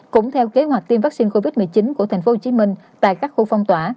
cũng theo kế hoạch tiêm vaccine covid một mươi chín của tp hcm tại các khu phong tỏa